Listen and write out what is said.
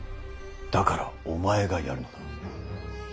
だからお前がやるのだ。